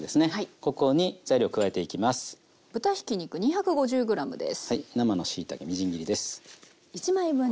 ここに材料加えていきます。